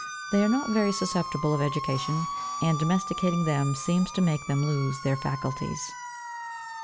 They are not very susceptible of education, and domesticating them seems to make them lose their faculties 14.